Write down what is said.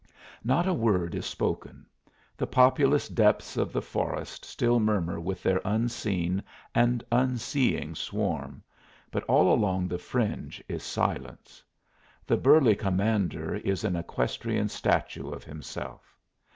Not a word is spoken; the populous depths of the forest still murmur with their unseen and unseeing swarm, but all along the fringe is silence. The burly commander is an equestrian statue of himself.